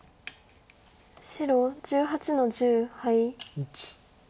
白１８の十ハイ。